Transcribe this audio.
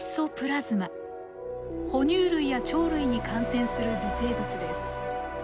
哺乳類や鳥類に感染する微生物です。